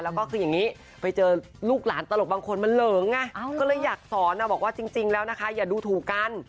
แล้วก็คืออย่างนี้ไปเจอลูกหลานตลกบางคนมันเหลิงไงก็เลยอยากสอนบอกว่าจริงแล้วนะคะอย่าดูถูกกัน